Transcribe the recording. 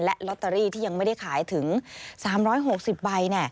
และลอตเตอรี่ที่ยังไม่ได้ขายถึง๓๖๐ใบ